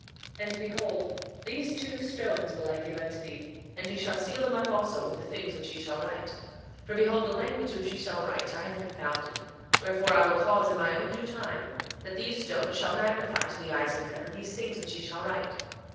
3:23 And behold, these two stones will I give unto thee, and ye shall seal them up also with the things which ye shall write. 3:24 For behold, the language which ye shall write I have confounded; wherefore I will cause in my own due time that these stones shall magnify to the eyes of men these things which ye shall write.